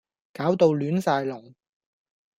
搞到亂晒龍